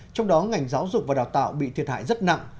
trong đó ngành giáo dục và đào tạo bị thiệt hại rất nặng